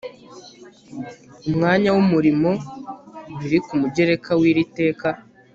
umwanya w umurimo biri ku mugereka w iri teka